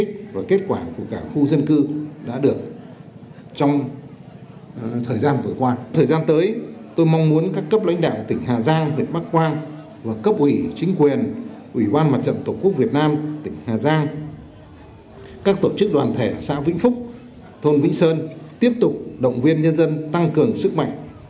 các tổ chức đoàn thể xã vĩnh phúc thôn vĩnh sơn tiếp tục động viên nhân dân tăng cường sức mạnh